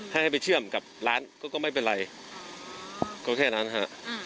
ให้ให้ไปเชื่อมกับร้านก็ไม่เป็นไรก็แค่นั้นฮะ